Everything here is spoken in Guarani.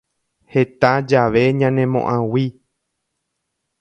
Heta jave ñanemoʼag̃ui.